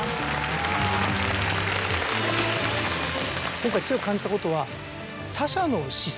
今回強く感じたことは。